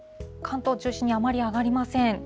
関東を中心にあまり上がりません。